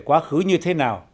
quá khứ như thế nào